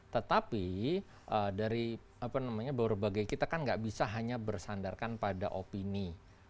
tetapi dari apa namanya baru baru kita kan tidak bisa hanya bersandarkan pada opini